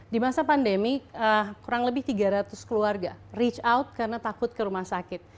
di masa pandemi kurang lebih tiga ratus keluarga reach out karena takut ke rumah sakit